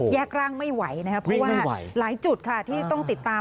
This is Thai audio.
ร่างไม่ไหวนะครับเพราะว่าหลายจุดค่ะที่ต้องติดตาม